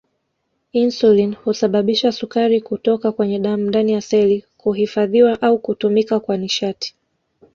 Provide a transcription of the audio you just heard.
Insulini husababisha sukari kutoka kwenye damu ndani ya seli kuhifadhiwa au kutumika kwa nishati